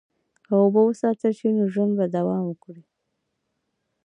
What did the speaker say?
که اوبه وساتل شي، نو ژوند به دوام وکړي.